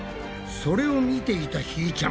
それを見ていたひーちゃん。